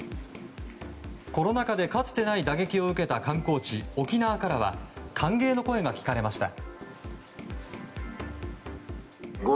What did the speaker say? コロナ禍でかつてない打撃を受けた観光地・沖縄からは歓迎の声が聞かれました。